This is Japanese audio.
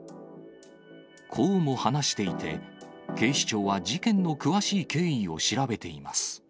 こうも話していて、警視庁は事件の詳しい経緯を調べています。